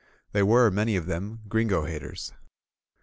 They were, many of them. Gringo haters.